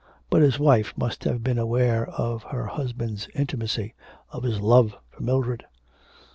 But his wife must have been aware of her husband's intimacy, of his love for Mildred.